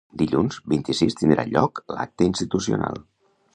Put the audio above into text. Dilluns vint-i-sis tindrà lloc l’acte institucional.